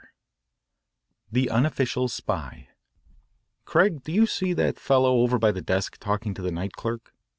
IX THE UNOFFICIAL SPY "Craig, do you see that fellow over by the desk, talking to the night clerk?"